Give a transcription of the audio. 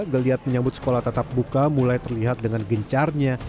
geliat penyambut sekolah tetap buka mulai terlihat dengan gencarnya